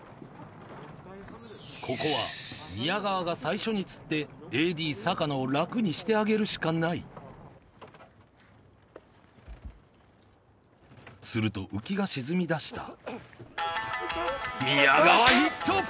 ここは宮川が最初に釣ってＡＤ坂野を楽にしてあげるしかないするとウキが沈みだした宮川ヒット！